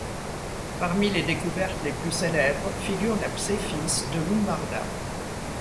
Parmi les découvertes les plus célèbres figure la psephis de Lumbarda.